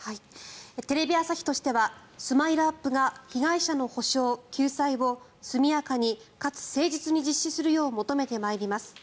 テレビ朝日としてはＳＭＩＬＥ−ＵＰ．が被害者の補償・救済を速やかにかつ誠実に実施するよう求めて参ります。